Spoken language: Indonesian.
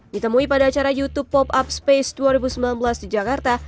ditemui pada acara youtube pop up space dua ribu sembilan belas di jakarta